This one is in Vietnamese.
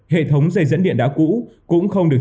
hệ thống dây dẫn điện đã cũ cũng không được